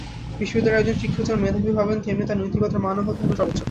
বিশ্ববিদ্যালয়ের একজন শিক্ষক যেমন মেধাবী হবেন, তেমনি তাঁর নৈতিকতার মানও হতে হবে সর্বোচ্চ।